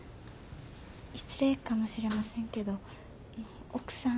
失礼かもしれませんけどあの奥さん。